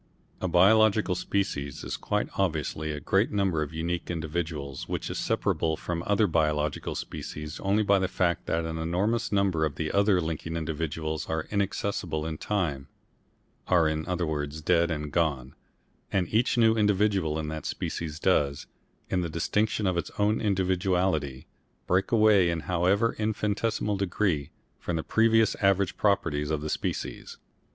A biological species is quite obviously a great number of unique individuals which is separable from other biological species only by the fact that an enormous number of other linking individuals are inaccessible in time are in other words dead and gone and each new individual in that species does, in the distinction of its own individuality, break away in however infinitesimal degree from the previous average properties of the species.